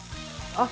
あっ！